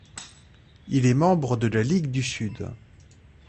Il est membre de la Ligue du Sud.